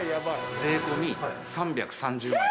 税込３３０万。